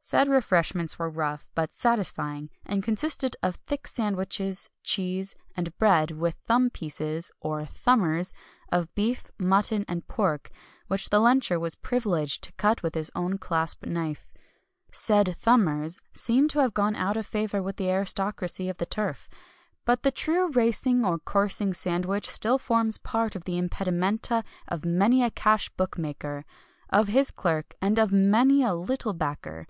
Said refreshments were rough, but satisfying, and consisted of thick sandwiches, cheese, and bread, with "thumb pieces" (or "thumbers") of beef, mutton, and pork, which the luncher was privileged to cut with his own clasp knife. Said "thumbers" seem to have gone out of favour with the aristocracy of the Turf; but the true racing or coursing sandwich still forms part of the impedimenta of many a cash bookmaker, of his clerk, and of many a "little" backer.